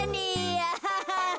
アハハハ。